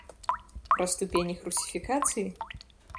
Пра ступень іх русіфікацыі?